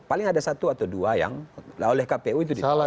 paling ada satu atau dua yang oleh kpu itu ditetapkan